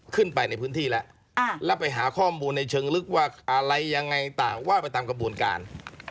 ขึ้นไปในพื้นที่แล้วแล้วไปหาข้อมูลในเชิงลึกว่าอะไรยังไงต่างว่าไปตามกระบวนการ